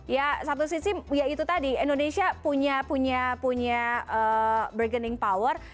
ya satu sisi ya itu tadi indonesia punya bergening power